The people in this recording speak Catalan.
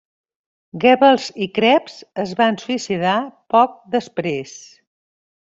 Goebbels i Krebs es van suïcidar poc després.